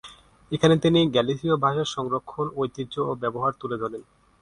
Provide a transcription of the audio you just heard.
এখানে তিনি গ্যালিসিয় ভাষার সংরক্ষন, ঐতিহ্য এবং ব্যবহার তুলে ধরেন।